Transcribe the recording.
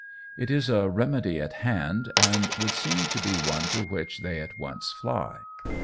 It is a remedy at hand, and would seem to be one to which they at once fly.